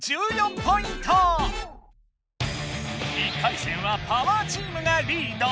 １回戦はパワーチームがリード。